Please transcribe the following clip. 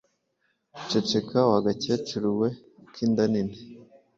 ceceka wa gakecuru we k’inda nini,